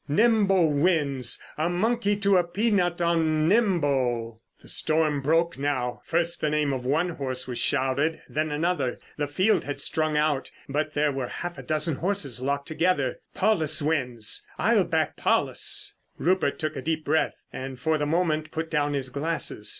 "Nimbo wins! A monkey to a pea nut on Nimbo!" The storm broke now. First the name of one horse was shouted, then another. The field had strung out, but there were half a dozen horses locked together. "Paulus wins! I'll back Paulus!" Rupert took a deep breath, and for the moment put down his glasses.